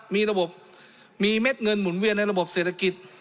มีระบบมีเม็ดเงินหมุนเวียนในระบบเศรษฐกิจ